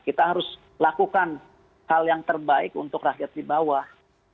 kita harus lakukan hal yang terbaik untuk rakyat di bawah